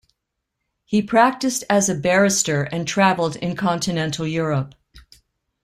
He practised as a barrister and travelled in continental Europe.